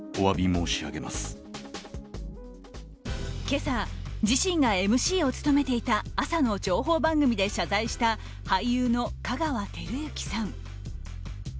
今朝、自身がＭＣを務めていた朝の情報番組で謝罪した俳優の香川照之さん。